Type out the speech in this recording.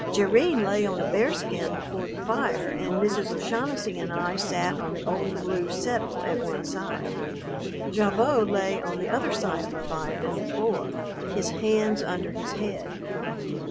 Jerrine lay on a bearskin before the fire, and Mrs. O'Shaughnessy and I sat on the old blue "settle" at one side. Gavotte lay on the other side of the fire on the floor, his hands under his head.